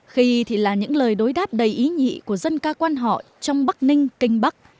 khi thì là những lời đối đáp đầy ý nhị của dân ca quan họ trong bắc ninh kinh bắc